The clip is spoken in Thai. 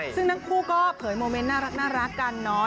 ซึ่งหลังผู้เผยโมเมนต์น่ารักกันเนาะ